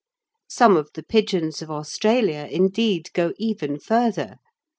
Some of the pigeons of Australia, indeed, go even further.